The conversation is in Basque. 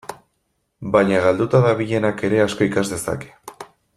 Baina galduta dabilenak ere asko ikas dezake.